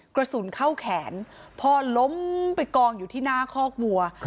กระสุนเข้าแขนพ่อล้มไปกองอยู่ที่หน้าคอกวัว